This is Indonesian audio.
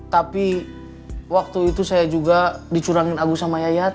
tapi waktu itu saya juga dicurangin agus sama yayat